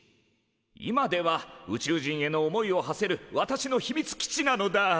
今では宇宙人への思いをはせる私の秘密基地なのだ。